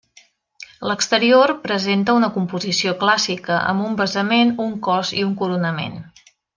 L'exterior presenta una composició clàssica amb un basament, un cos i un coronament.